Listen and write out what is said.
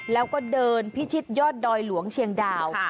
แล้วก็เดินพิชิตยอดดอยหลวงเชียงดาว